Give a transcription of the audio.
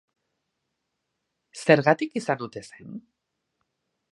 Zergatik izan ote zen?